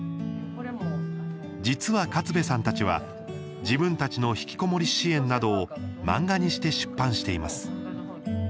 実は、勝部さんたちは自分たちのひきこもり支援などを漫画にして出版しています。